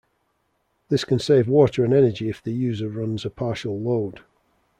This can save water and energy if the user runs a partial load.